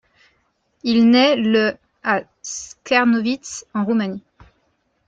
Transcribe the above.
Il naît le à Czernowitz, en Roumanie.